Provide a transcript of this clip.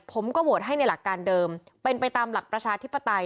ผมก็โหวตให้ในหลักการเดิมเป็นไปตามหลักประชาธิปไตย